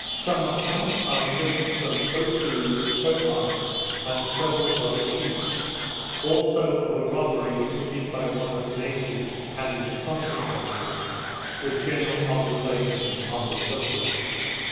_Some Account of a Visit from Otoo, Towha, and several other Chiefs; also of a Robbery committed by one of the Natives, and its Consequences, with general Observations on the Subject.